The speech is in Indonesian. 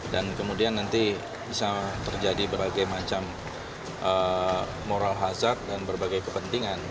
dan kemudian nanti bisa terjadi berbagai macam moral hazard dan berbagai kepentingan